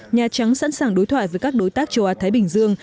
nhà trắng sẵn sàng đối thoại với các đối tác châu á thái bình dương